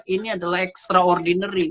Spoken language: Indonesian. ini adalah extraordinary